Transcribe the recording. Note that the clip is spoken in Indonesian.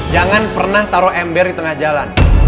jangan pernah taruh ember di tengah jalan